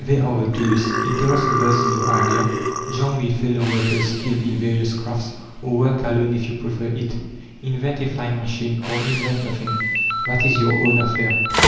There are the tools; interest others in your idea; join with fellow workers skilled in various crafts, or work alone if you prefer it. Invent a flying machine, or invent nothing that is your own affair.